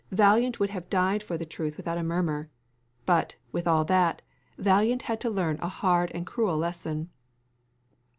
Valiant would have died for the truth without a murmur. But, with all that, Valiant had to learn a hard and a cruel lesson.